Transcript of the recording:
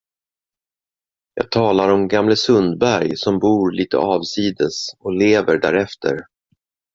Jag talar om gamle Sundberg som bor litet avsides och lever därefter.